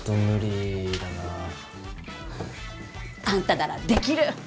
あんたならできる！